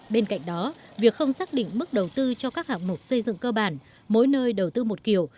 bên cạnh đó việc không xác định mức đầu tư cho các hạng mục xây dựng cơ bản mỗi nơi đầu tư một kiểu